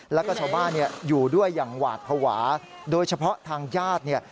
แล้วก็ชาวบ้านเนี่ยอยู่ด้วยอย่างหวาดภาวะโดยเฉพาะทางญาติเนี่ย